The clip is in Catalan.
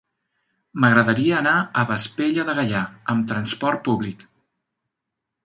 M'agradaria anar a Vespella de Gaià amb trasport públic.